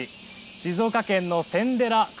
静岡県の禅寺・可